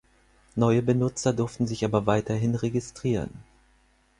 Neue Benutzer durften sich aber weiterhin registrieren.